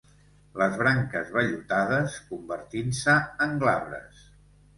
Les branques vellutades, convertint-se en glabres.